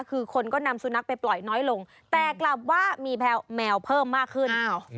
คือคนก็นำสุนัขไปปล่อยน้อยลงแต่กลับว่ามีแมวเพิ่มมากขึ้น